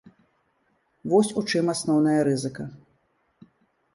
Вось у чым асноўная рызыка.